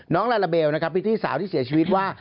น้องลาลาเปลนะครับพี่ที่สาวที่เสียชีวิตว่า